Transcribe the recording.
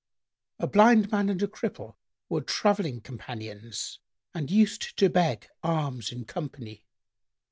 A blind man and a Cripple were travelling companions and used to beg alms in company.